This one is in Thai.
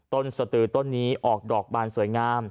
สตือต้นนี้ออกดอกบานสวยงาม